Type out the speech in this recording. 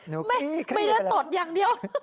ไม่เลือกตดอย่างเดียว